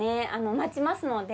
待ちますので。